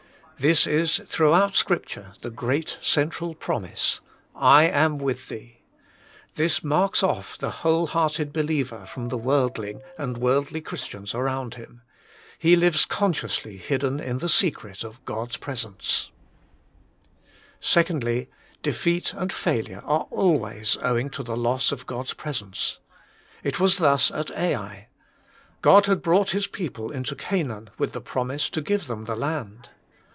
This is throughout Scripture the great central promise : I am with thee. This marks off the whole hearted believer from the worldling and worldly Christians around him : he lives consciously hidden in the secret of God s presence. 70 THE MINISTRY OF INTERCESSION 2. Defeat and failure are always owing to the loss of God s presence. It was thus at Ai. God had brought His people into Canaan with the promise to give them the land.